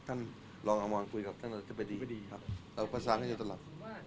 ท่านลองอำนวณคุยกับท่านจะไปดีครับเอาภาษาให้อยู่ตลอด